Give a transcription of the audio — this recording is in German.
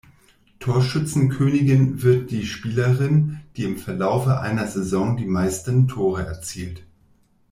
Torschützenkönigin wird die Spielerin, die im Verlaufe einer Saison die meisten Tore erzielt.